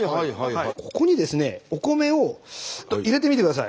ここにですねお米を入れてみて下さい。